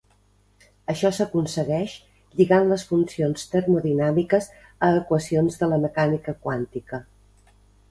Això s’aconsegueix lligant les funcions termodinàmiques a equacions de la mecànica quàntica.